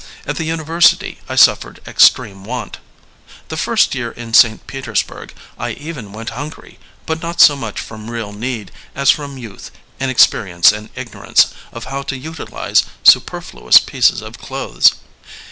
At the university I suffered extreme want. The first year in St. Petersburg I even went hungry, but not so much from real need as from youth, inexperience and ignorance of how to utilize superfluous pieces of clothes.